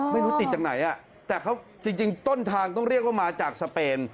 ไม่รู้ติดจากไหนแต่เขาจริงต้นทางต้องเรียกว่ามาจากสเปน